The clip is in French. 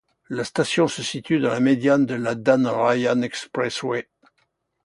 La station se situe dans la médiane de la Dan Ryan Expressway.